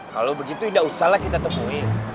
kalo begitu tidak usahlah kita temui